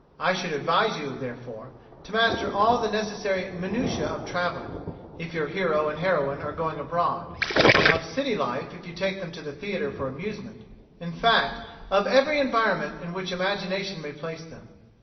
I should advise you, therefore, to master all the necessary minutiae of travelling, if your hero and heroine are going abroad; of city life if you take them to the theatre for amusement in fact, of every environment in which imagination may place them.